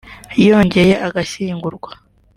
yongeye agashyingurwa